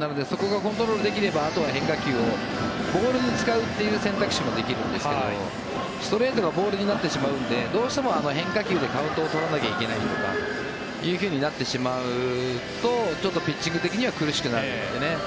なのでそこがコントロールできればあとは変化球をボールに使うという選択肢もできるんですがストレートがボールになってしまうのでどうしても変化球でカウントを取らなきゃいけないとかとなってしまうとちょっとピッチング的には苦しくなってね。